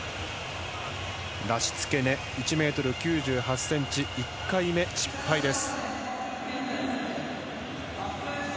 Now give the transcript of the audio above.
ラシツケネの１ｍ９８ｃｍ１回目、失敗です。